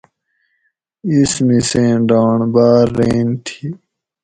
اِس مِسیں ڈانڑ باٞر رین تھی